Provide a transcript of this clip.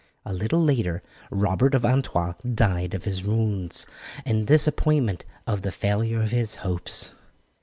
A little later Robert of Artois died of his wounds and disappointment at the failure of his hopes.